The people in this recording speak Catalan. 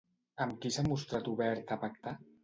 Amb qui s'ha mostrat obert a pactar?